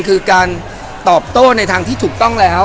คือการตอบโต้ในทางที่ถูกต้องแล้ว